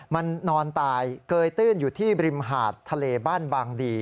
มันนอนตายเกยตื้นอยู่ที่ริมหาดทะเลบ้านบางดี